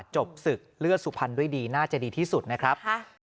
จบศึกเลือดสุพรรณด้วยดีน่าจะดีที่สุดนะครับ